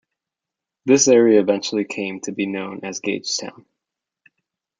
This area eventually came to be known as Gagetown.